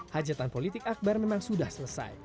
hajatan politik akbar memang sudah selesai